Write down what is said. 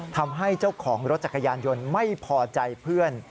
ทำให้เจ้าของรถจักรยานยนต์ไม่พอใจเพื่อน